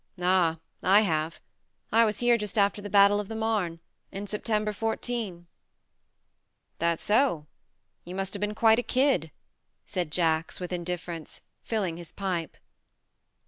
THE MARNE 95 " Ah I have. I was here just after the battle of the Marne, in September 'fourteen." "That so? You must have been quite a kid," said Jacks with indiffer ence, filling his pipe.